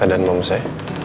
jadi erin project ya